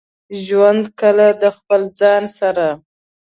ژوند کله د خپل ځان سره.